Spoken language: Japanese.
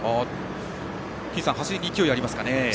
金さん走りに勢いありますかね。